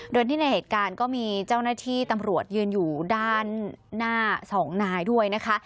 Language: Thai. โดยที่ในเหตุการณ์ก็มีเจ้าหน้าที่ตำรวจยืนอยู่ด้านหน้าสองนายด้วยนะคะ